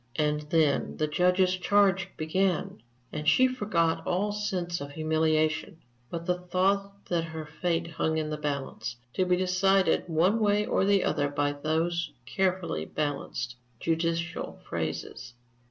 And then the Judge's charge began, and she forgot all sense of humiliation, forgot everything but the thought that her fate hung in the balance, to be decided one way or the other by those carefully balanced, judicial phrases.